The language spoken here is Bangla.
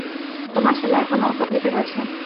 তোমার ছেলে এখনো তকলিফে রয়েছে?